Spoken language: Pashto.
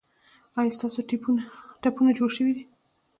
ایا ستاسو ټپونه جوړ شوي دي؟